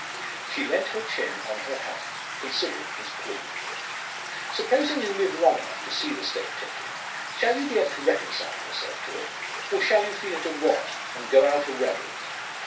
She leant her chin on her hand, considering his plea. "Supposing you live long enough to see the State take it, shall you be able to reconcile yourself to it? Or shall you feel it a wrong, and go out a rebel?"